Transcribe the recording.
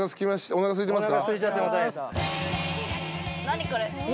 おなかすいてますか？